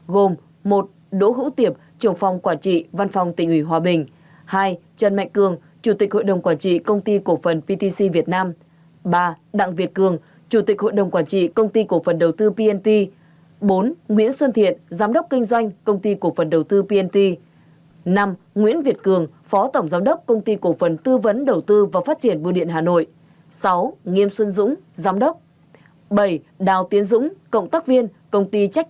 gồm một đỗ hữu tiệp trưởng phòng quản trị văn phòng tỉnh ủy hòa bình hai trần mạnh cường chủ tịch hội đồng quản trị công ty cổ phần ptc việt nam ba đặng việt cường chủ tịch hội đồng quản trị công ty cổ phần đầu tư pnt bốn nguyễn xuân thiện giám đốc kinh doanh công ty cổ phần đầu tư pnt năm nguyễn việt cường phó tổng giám đốc công ty cổ phần tư vấn đầu tư và phát triển bưu điện hà nội sáu nghiêm xuân dũng giám đốc bảy đào tiến dũng cộng tác viên